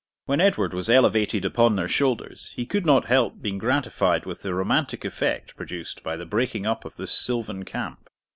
When Edward was elevated upon their shoulders he could not help being gratified with the romantic effect produced by the breaking up of this sylvan camp.